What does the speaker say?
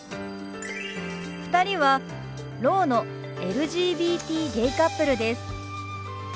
２人はろうのＬＧＢＴゲイカップルです。